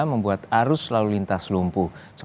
dari kaya asa alun lintas gimana